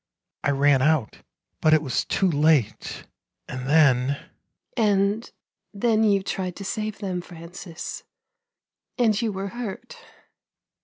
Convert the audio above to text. I ran out, but it was too late ... and then ,.."" And then you tried to save them, Francis, and you were hurt."